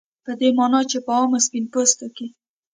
په دې معنا چې په عامو سپین پوستو کې